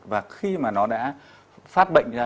và khi mà nó đã phát bệnh ra